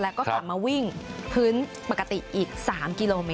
แล้วก็กลับมาวิ่งพื้นปกติอีก๓กิโลเมตร